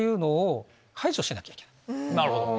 なるほど。